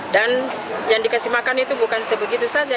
dan yang dikasih makan itu bukan sebegitu saja